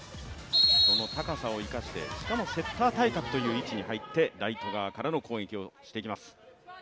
その高さを生かして、しかもセッター対角という位置に入ってライト側からの攻撃をしてきます。